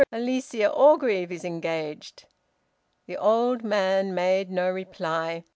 Alicia Orgreave is engaged!" The old man made no reply.